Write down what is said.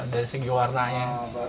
dari segi warnanya